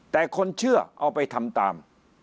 แต่คนเชื่อเอาไปทำตาม